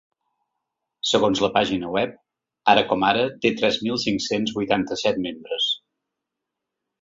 Segons la pàgina web, ara com ara té tres mil cinc-cents vuitanta-set membres.